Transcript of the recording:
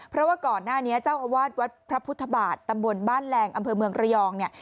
เพราะว่าก่อนหน้านี้เจ้าอาวาสวัดพระพุทธบาทตำบลบ้านแรงอำเภอเมืองระยองเนี่ย